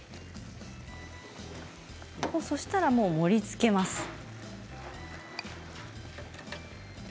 そしたらもう盛りつけます。